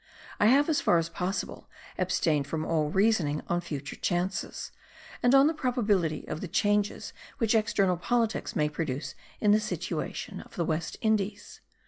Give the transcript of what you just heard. I have as far as possible abstained from all reasoning on future chances, and on the probability of the changes which external politics may produce in the situation of the West Indies.